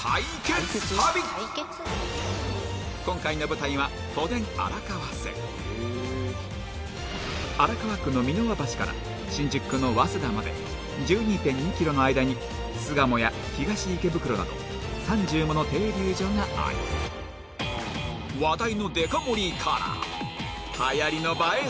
今回の舞台は荒川区の三ノ輪橋から新宿区の早稲田まで１２．２ｋｍの間に巣鴨や東池袋など３０もの停留所があり話題のデカ盛りからはやりの映え